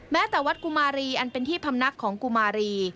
แม้แต่วัดกุมารีอันเป็นที่พำนักของกุมารี